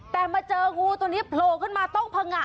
แต่มาเจองูตัวนี้โผล่ขึ้นมาต้องพังงะ